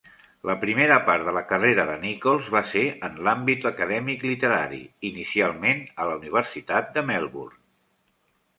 La primera part de la carrera de Nicholls va ser en l'àmbit acadèmic literàri, inicialment a la Universitat de Melbourne.